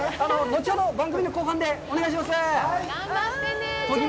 後ほど、番組の後半でお願いします。